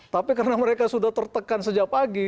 tapi karena mereka sudah tertekan sejak pagi